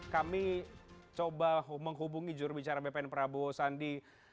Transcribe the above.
kami coba menghubungi jurubicara bpn prabowo sandi